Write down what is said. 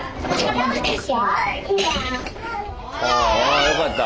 あよかった。